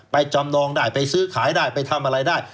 จำนองได้ไปซื้อขายได้ไปทำอะไรได้